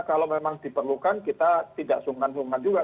kalau memang diperlukan kita tidak sungkan sungkan juga